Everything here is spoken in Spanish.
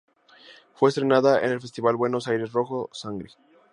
Fue estrenada en el festival Buenos Aires Rojo Sangre.